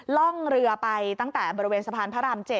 ล่องเรือไปตั้งแต่บริเวณสะพานพระราม๗